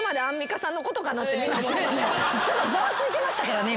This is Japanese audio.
ちょっとざわついてましたからね